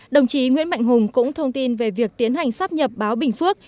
đồng chí nguyễn mạnh hùng cũng thông tin về việc tiến hành sắp nhập báo bình phước